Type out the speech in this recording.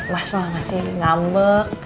mas makasih ngambek